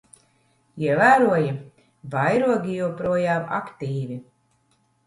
Ievēroji? Vairogi joprojām aktīvi.